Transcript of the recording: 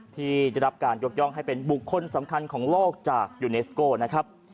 ที่ได้รับการยกย่องให้เป็นบุคคลสำคัญของโลกจากยูเนสโก้นะครับ